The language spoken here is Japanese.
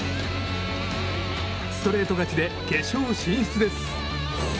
ストレート勝ちで決勝進出です。